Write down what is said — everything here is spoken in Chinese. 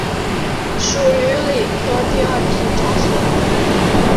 属于理科第二批招生。